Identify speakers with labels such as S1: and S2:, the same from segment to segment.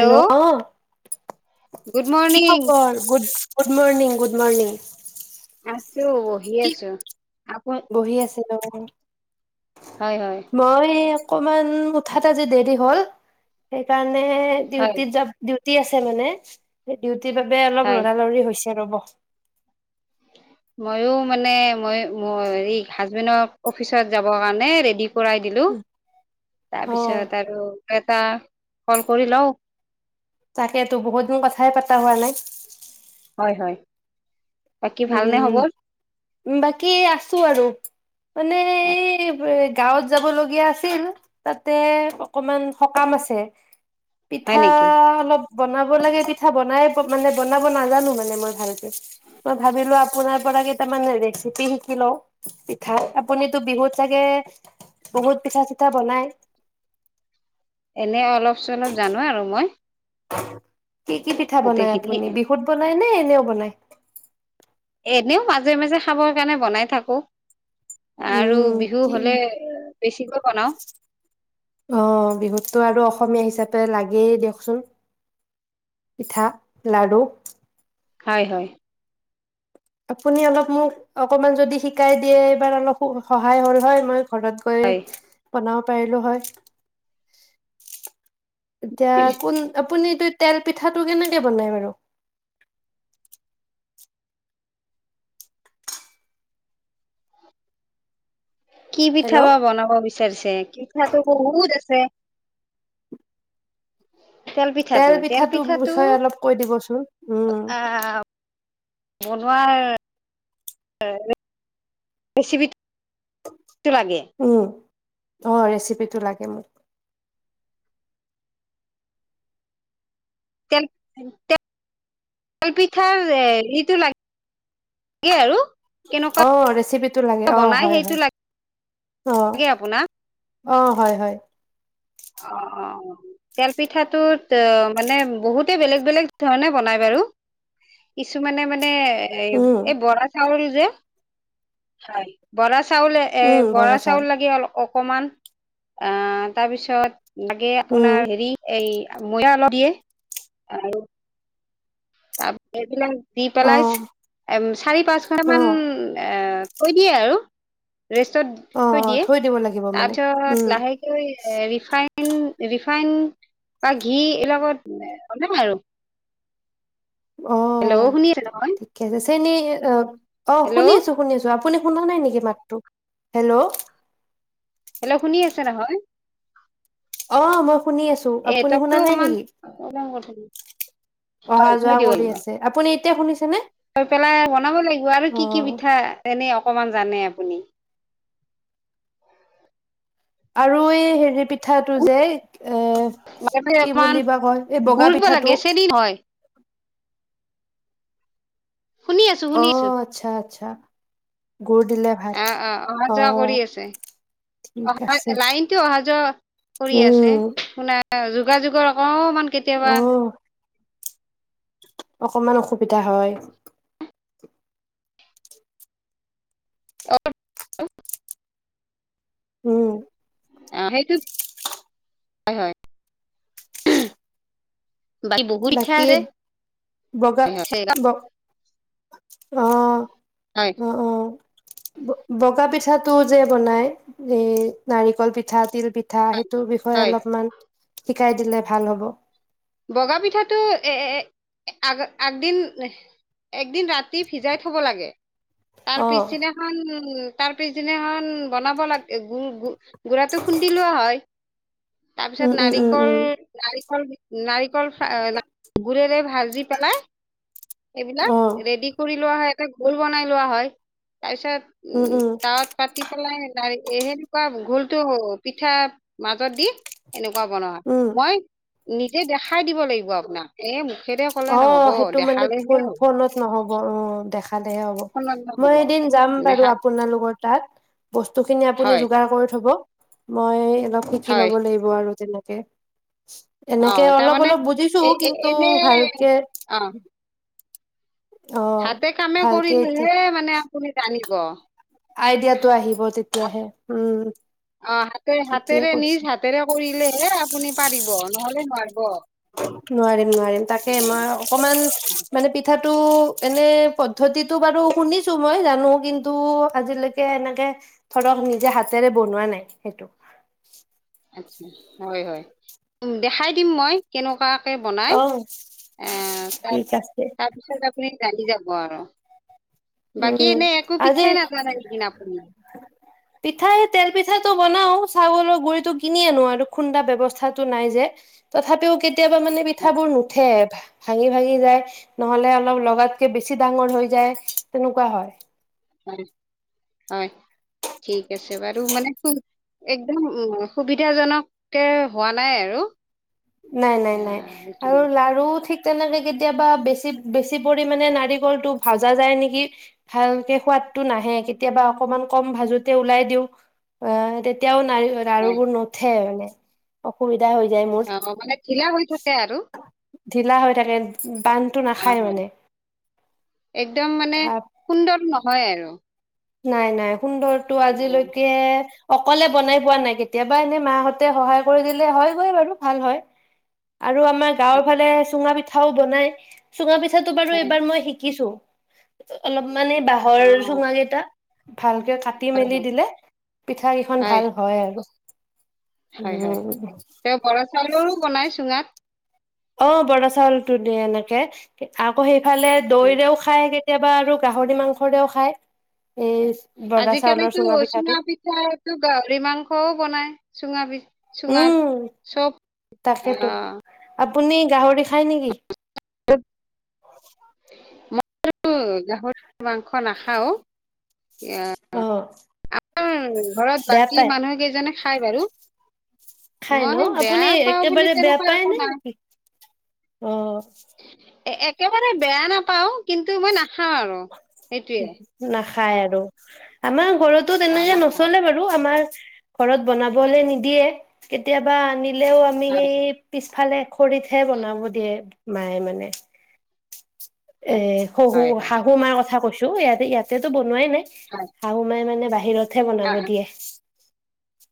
S1: Hello
S2: good
S1: কি
S2: morning
S1: খবৰ good morning good morning
S2: আ খালোঁ বহি
S1: কি
S2: আছো আপু
S1: বহি আছিলোঁ অ
S2: হয় হয়
S1: মই অকমান হঠাত আজি দেৰি হ'ল সেইকাৰণে
S2: হয়
S1: ডিউটীত যাব, ডিউটীত। দিওতি আছে মানে সেই বাবে অলপ
S2: হয়
S1: লৰালৰি হৈছে। সেই ৰব।
S2: ময়ো মানে মই মোৰ হেৰি হাজবেণ্ডৰ অফিচত যাবৰ কাৰণে ৰেডি কৰাই দিলো
S1: অ
S2: তাৰপিছত আৰু এটা কল কৰি লও,
S1: তাকেইতো বহুত দিন কথাই পতা হোৱা নাই।
S2: হয় হয়। বাকী ভালনে খবৰ
S1: উম বাকী আছো আৰু। মানে এই গাঁৱত যাব লগীয়া আছিল, তাতে অকমান সকাম আছে।
S2: হয়
S1: পিঠা
S2: নেকি
S1: অলপ বনাব লাগে পিঠা, বনাই মানে বনাব নাজানো মানে মই ভালকে মই ভাবিলো আপোনাৰ পৰা কেইটামান ৰেচিপি শিকি লও পিঠাৰ। আপুনিতো বিহুত চাগে বহুত পিঠা চিঠা বনাই?
S2: এনে অলপ চলপ জানো আৰু মই।
S1: [unintelligible] কি কি পিঠা বনাই
S2: গোটেইখিনি
S1: আপুনি? বিহুত বনাই নে? এনেও বনাই।
S2: এনেও মাজে মাজে খাবৰ কাৰণে বনাই থাকো। আৰু
S1: উম,
S2: বিহু
S1: কি,
S2: হলে বেছিকৈ বনাও
S1: অ বিহুতটো আৰু অসমীয়া হিচাপে লা লাগেই দিয়কচোন পিঠা লাড়ু।
S2: হয় হয়।
S1: আপুনি অলপ মোক অকমান যদি শিকাই দিয়ে, এইবাৰ অলপ সহায় হল হয়। মই ঘৰত গৈ
S2: হয়
S1: বনাব পাৰিলো হয়। তিয়া কোন আপুনি তেল পিঠাটো কেনেকে বনাই বাৰু?
S2: কি পিঠা
S1: হেল্ল'।
S2: বা বনাব বিচাৰিছে, পিঠাটো বহুত আছে। [unintelligible]
S1: তেল পিঠাটো বিষয়ে অলপ কৈ দিবচোন। ন।
S2: আ। বনোৱা ৰে ৰেচিপি তে লাগে।
S1: অ ৰেচিপিটো লাগে মোক।
S2: তে তেলপিঠাৰ ইটো লাগ গে আৰু।
S1: অ ৰেচিপিট টো লাগে। অ
S2: বনাই
S1: হয়
S2: সেইটো
S1: হয়। অ,
S2: লাগে আপোনাক
S1: অ হয় হয়।
S2: অ, অ তেল পিঠাটোত মানে বহুতে বেলেগ বেলেগ ধৰণে বনাই বাৰু কিছুমানে মানে নে
S1: উম,
S2: এই বৰা চাউল যে হয় বৰা চাউলে এ বৰা চাউল লাগে অলপ। অকমান অ তাৰপিছত তাত, লাগে
S1: উম,
S2: আপোনাৰ, হেৰি এই, ময়দা অলপ দিয়ে আৰু, তাপ এইবিলাক দি পেলাই,
S1: অ',
S2: এম চাৰি পাঁচ ঘানটামান
S1: অ',
S2: এ কৈ দিয়ে আৰু ৰেষ্টত
S1: অ',
S2: থৈ
S1: অ'
S2: দিয়ে
S1: দিব লাগিব মানে। উম,
S2: তাৰপিছত লাহেকৈ ৰিফাইন ৰিফাইন বা ঘি এইবিলাকত আৰু
S1: অ
S2: হেল্ল' শুনি আছে নহয়
S1: ঠিকে আছে চেনি অ, অ শুনি
S2: হেল্ল'
S1: আছো শুনি আছো আপ আপোনি শুনা নাই নেকি মাতটো হেল্ল,
S2: হেল্ল' শুনি আছে নহয়?
S1: অঁ মই শুনি আছো,
S2: এ
S1: আপুনি
S2: নেটৱৰ্কটো
S1: শুনা নাই
S2: অকমান
S1: নেকি?
S2: প্ৰব্লেম কৰি
S1: অহা
S2: হয়
S1: যোৱা
S2: থৈ দিব
S1: কৰি
S2: লাগিব
S1: আছে। আপুনি, তিয়া শুনিছেনে?
S2: থৈ পেলাই বনাব লাগিব আৰু
S1: অ
S2: কি কি পিঠা এনেই অকমান জানে আপুনি
S1: আৰু এই হেৰি, পিঠাটো যে এ কি
S2: অকমান
S1: বুলি বা কয় এই
S2: গুৰ
S1: বগা
S2: দিব লাগে
S1: পিঠাটো,
S2: চেনি নহয় শুনি আছো
S1: অ
S2: শুনি আছো।
S1: আচ্ছা আচ্ছা গুৰ দিলে ভাল
S2: অহ অ অহা যোৱা কৰি আছে।
S1: ঠিক
S2: অহা
S1: আছে
S2: লাইনটো অহা যোৱা কৰি আছে
S1: উম
S2: শুনা। অ যোগাযোগৰ অকন মন
S1: অ
S2: কেতিয়াবা
S1: অকমান অসুবিধা হয়।
S2: অ
S1: উম
S2: অহ সেইটো, হয় হয় বাকী বহুত পিঠা
S1: বাকী
S2: আছে
S1: বগা ব অহ
S2: হয়
S1: অ অ, ব বগা পিঠাটো যে বনাই। এই নাৰিকল পিঠা তিল, পিঠা
S2: হয়
S1: সেইটোৰ বিষয়ে
S2: হয়
S1: অলপমান। শিকাই দিলে ভাল হ'ব।
S2: বগা পিঠাটো এএএএ আগ আগদিন একদিন ৰাতি ভিজাই থব লাগে। তাৰ
S1: অ
S2: পিছ দিনাখন উ, তাৰ পিছদিনাখন বনাব লাগে গুৰ গু, গুড়াটো খুন্দি লোৱা হয়। তাৰপিছত
S1: উম উম উম
S2: নাৰিকল
S1: উম
S2: নাৰি অ, নাৰিকল, অ গু়ৰেৰে ভাল ভাজি পেলাই সেইবিলাক
S1: অ
S2: ৰেডি কৰি লোৱা হয়। এটা ঘোল বনাই লোৱা হয়। তাৰ পিছত উম তাত পাতি পেলাই এ সেনেকুৱা ঘোলটো পিঠা মাজত দি এনেকুৱা বনোৱা
S1: উম,
S2: মই নিজে দেখাই দিব লাগিব আপোনাক এ
S1: অ সেইটো মানে ফোন ফোনত নহ'ব অ দেখা লেহে হ'ব
S2: ফোনত
S1: মই
S2: নহ'ব
S1: এদিন যাম বাৰু
S2: দেখাত
S1: আপোনালোকৰ তাত বস্তু খিনি আপুনি
S2: হয়
S1: যোগাৰ কৰি থব মই অলপ শিকি
S2: হয়
S1: ল'ব লাগিব আৰু তেনে কে
S2: অ
S1: এনেকে অলপ
S2: তাৰমানে
S1: অলপ বুজিছো
S2: এ এ
S1: কিন্তু
S2: এনে
S1: ভালকে
S2: অ
S1: অ',
S2: হাতে কামে
S1: ভালকে
S2: কৰিলে হে মানে তুমি জানিব।
S1: আইডিয়াটো আহিব
S2: হাত
S1: তেতিয়াহে উম।
S2: অ হাতে
S1: ঠিকেই
S2: হাতেৰে
S1: কৈছে।
S2: নিজ হাতেৰে কৰিলেহে আপুনি পাৰিব নহলে নোৱাৰিব।
S1: নোৱাৰিম নোৱাৰিম তাকে মই অকমান
S2: হয়
S1: মানে পি কথাাতটো এনে পদ্ধতিটো বাৰু শুনিছো মই জানো কিন্তু আজিলৈকে এনেকে ধৰক নিজে হাতেৰে বনোৱা নাই সেইটো।
S2: আচ্ছা হয় হয় দেখাই দিম মই কেনেকুৱা বনাই
S1: অ
S2: এ
S1: ঠিক আছে।
S2: তাৰপিছত আপুনি জানি যাব আৰু। বাকী
S1: উম
S2: এনে একো
S1: আজি,
S2: পিঠাই নাজানে নেকি আপুনি
S1: পিঠা এই তেল পিঠাটো। বনাও চাউলৰ গুৰিতো কিনি আনো, আৰু খুন্দা ব্যৱস্থাটো নাই যে। তথাপিও কিন্তু কেতিয়াবা মানে
S2: হয়
S1: পিঠাবোৰ নুঠে। ভাঙি ভাঙি যায় নহলে অলপ লগাতকে বেছি ডাঙৰ হৈ যায়। তেনেকুৱা হয়।
S2: হয় হয়। ঠিক আছে বাৰু মানে একদম উম, সুবিধাজনকে হোৱা নাই আৰু।
S1: নাই, নাই, নাই
S2: আহ সেইটোৱে
S1: আৰু লাৰু ঠিক তেনেকে কেতিয়াবা বেছি, বেছি পৰিমাণে নাৰিকলটো ভাজা যায় নেকি, ভালকে সোৱাদটো নাহে কেতিয়াবা অকণমান কম ভাজোতে ওলাই দিওঁ আ, তেতিয়াও [unintelligible]
S2: হয়
S1: লাৰুবোৰ নুঠে মানে অসুবি ৰ হৈ যায় মোৰ
S2: অ মানে ঢিলা হৈ থাকে আৰু।
S1: ঢিলা হৈ থাকে।
S2: অ
S1: বান্ধটো নাখায়
S2: হয়
S1: মানে। তাত
S2: হয় আৰু।
S1: নাই, নাই। সুন্দৰটো
S2: অ
S1: আজিলৈকে অকলে বনাই পোৱা নাই, কেতিয়াবা এনেই মাহঁতে সহায় কৰি দিলে হয়গৈ বাৰু, ভাল হয়। আৰু আমাৰ গাঁৱৰ
S2: আচ্ছা,
S1: ফালে চুঙা পিঠ খাওঁ বনাই। চুঙা পিঠাটো বাৰু
S2: হয়
S1: এইবাৰ মই শিকিছোঁ। অলপ মানে
S2: অ
S1: বাঁহৰ চুঙা কেইটা। ভালকে কাটি
S2: হয়
S1: মেলি দিলে পিঠা কেইখন ভাল হয় আৰু। [unintelligible]
S2: হয়-হয়
S1: উম
S2: তেওঁ বৰা চাউলৰো বনাই চুঙাত?
S1: অ, বৰা চাউলটো দিয়ে এনেকে আকৌ সেই ইফালে দৈৰেও খায়। কেতিয়াবা আৰু গাহৰি মাংসৰেও খায়। এই বৰা চাউলৰ
S2: আজিকালিতো
S1: পিঠাটো
S2: চুঙা পিঠাটো গাহৰি মাংসও বনাই। চুঙা বি
S1: উম, তাকেতো আব
S2: আহ
S1: আপুনি গাহৰি খায় নেকি?
S2: [unintelligible] [unintelligible] গাহৰি মাংস নাখাও
S1: অ
S2: আমাৰ ঘৰত
S1: বেয়া
S2: বাকী
S1: পায়
S2: মানুহ কেইজনে খাই বাৰু।
S1: খাই
S2: মই
S1: ন
S2: বেয়া
S1: আপুনি
S2: পাও বুলি
S1: একেবাৰে বেয়া
S2: তেনেকুৱা
S1: পায়
S2: একো
S1: নে
S2: নাই
S1: নেকি অ'। [unintelligible]
S2: একেবাৰে বেয়া নাপাও কিন্তু মই না হা আৰু সেইটোৱে।
S1: খায় আৰু আমাৰ ঘৰতো
S2: অ
S1: তেনেকে
S2: নাখাও
S1: নচলে বাৰু আমাৰ। ঘৰত বনাবলে নিদিয়ে কেতিয়াবা আনি লেও আমি সেই পিছফালে ফালে খৰিতহে বনাব দিয়ে। মায়ে মানে এ, শহু
S2: হয় হয় হয়
S1: তোমাৰ কথা কৈছো ইয়াতে ইয়াতে তো বনোৱাই নাই।
S2: হয়
S1: শাহুমাই মানে বাহিৰত হে
S2: অ
S1: বনাব
S2: অ,
S1: দিয়ে।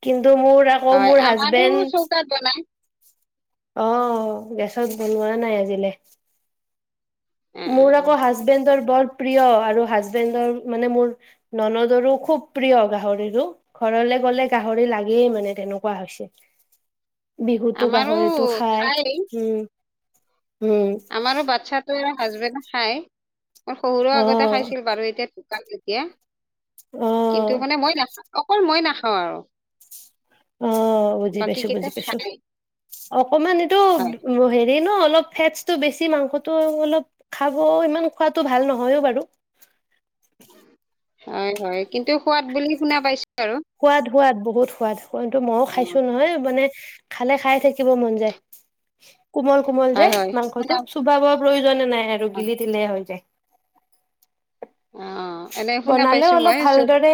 S1: কিন্তু টো মোৰ আকৌ
S2: হয়
S1: মোৰ
S2: আমাৰো
S1: হাজবেণ্ড
S2: চৌকাত বনাই
S1: অ, ' গেছত বনোৱা নাই আজিলে
S2: অ অ
S1: মোৰ
S2: অ।
S1: আকৌ হাজবেণ্ডৰ বৰ প্ৰিয় আৰু হাজবেণ্ডৰ মানে মোৰ ননদৰো খুব প্ৰিয় গাহৰি ঘৰলে গ'লে গাহৰি লাগেই মানে তেনেকুৱা হৈছে। বিহুতো
S2: আমাৰো
S1: গাহৰিতো খাই উম। উম
S2: আমাৰো বাচ্ছাটো হাজবেণ্ডও খায়। শহুৰো
S1: অ
S2: আগতে খাইছিল বাৰু এতিয়া
S1: অ
S2: [unintelligible] কিন্তু মানে মই নাখাও। অকল মই নাখাওঁ আৰু।
S1: অ, বুজি
S2: বাকী
S1: পাইছো,
S2: কেইটা
S1: বুজি পাইছো
S2: খাই
S1: অকমান এইটো
S2: হয়
S1: হেৰি ন। ফেটছটো বেছি মাংসটো অলপ খাব ইমান খোৱাটো ভাল নহয় বাৰু।
S2: হয়, হয় কিন্তু সোৱাদ বুলি শুনা পাইছো। আৰু
S1: সোৱাদ সোৱাদ বহুত সোৱাদ কিন্তু মইও
S2: অ
S1: খাইছো নহয় মানে খালে খাই থাকিব মন যায়। কোমল কোমল যে
S2: হয় হয় শুনা
S1: মাংসটো চুবাৱ প্ৰয়োজনে নাই,
S2: হয়
S1: গিলি দিলে হৈ যায়।
S2: অ এনে শুনা পাইছো
S1: বনালেও অলপ
S2: মই চব
S1: ভালদৰে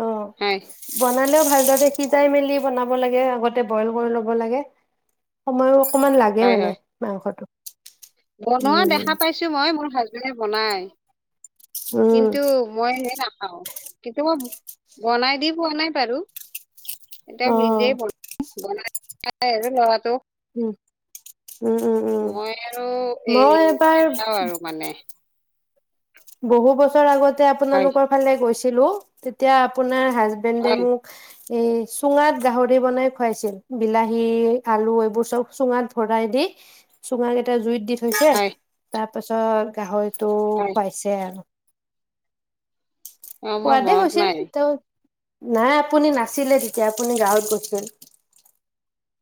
S1: অ
S2: হয়
S1: বন খেও ভালদৰে সিজাই মেলি বনাব লাগে আগতে বইল কৰি ল'ব লাগে সময়ো অকমান লাগে
S2: হয়
S1: মানে
S2: হয়
S1: মাংসটো
S2: বনোৱা
S1: উম
S2: দেখা পাইছো মই মোৰ হাজ বনাই
S1: উম
S2: কিন্তু মই হে নাপাওঁ কিন্তু মই, বনাই দি পোৱা নাই বাৰু
S1: অ
S2: এটোও নিজে ত আৰু ল'ৰাটো
S1: উম! উম উম উম
S2: মই আৰু
S1: মই
S2: এই
S1: এবাৰ
S2: নখাও আৰু মানে,
S1: বহু বছৰ আগত
S2: হয়
S1: আপোনালোকৰ ফালে গৈছে, ছিলো তেতিয়া আপোনাৰ, হাজবেণ্ডে
S2: হয়
S1: মোক এই চুঙাত গাহৰি বনাই খুৱাইছিল বিলাহী আলু এইবোৰ চব চুঙাত ভৰাই দি চুঙাক এটা জুইত দি থৈছে ত
S2: হয়
S1: তাৰ পাছত গাহৰিটো
S2: হয়
S1: পাইছে আৰু
S2: অ
S1: পোৱা
S2: মোৰ
S1: দে
S2: মনত
S1: হৈছিল
S2: নাই
S1: ত নাই আপুনি নাছিলে তেতিয়া আপুনি গাঁৱত গৈছিল।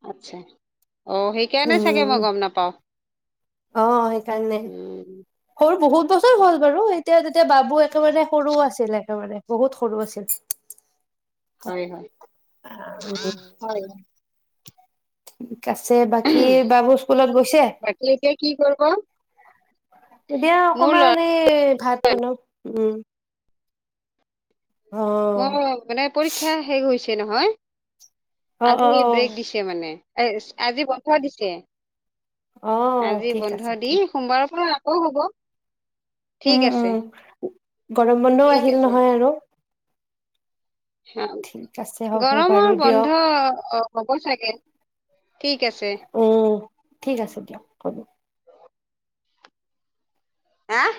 S2: আচছা অ সেইকাৰণে চাগে
S1: উম
S2: মই গম নাপাও।
S1: অ সেই সেই কাৰণে
S2: উম
S1: সৰু বহুত বছৰ হল বাৰু এতিয়াদি, এতিয়া বাবু একেবাৰে সৰুও আছিল একেবাৰে বহুত সৰু আছিল
S2: হয় হয় হয়!
S1: উম কছে বাকী বাবু স্কুলত গৈছে
S2: বাকী এতিয়া কি কৰিব
S1: এতিয়া
S2: মোৰ
S1: অকমান
S2: ল'ৰা
S1: এই ভাত বনাও। উম! অ
S2: মও মানে পৰীক্ষা শেষ হৈছে। হৈছে নহয়।
S1: অ অ
S2: আজি ব্ৰেক দিছে মানে। এচ আজি বন্ধ দিছে।
S1: অ
S2: আজি
S1: ঠিক আছে
S2: বন্ধ দি
S1: ঠিক
S2: সোমবাৰৰ পৰা অ' হ'ব ঠিক
S1: উম
S2: আছে
S1: উম, গৰম বন্ধও
S2: ঠিক
S1: আহিল
S2: আছে
S1: নহয়, আৰু
S2: হ'
S1: ঠিক আছে হ'ব বাৰু
S2: গৰমৰ
S1: দিয়ক
S2: বন্ধ হ'ব চাগে, ঠিক আছে।
S1: উম ঠিক আছে দিয়ক হ'ব।
S2: আহ